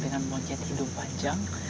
dengan monyet hidung panjang